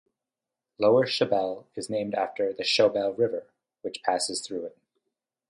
Lower Shebelle is named after the Shebelle River, which passes through it.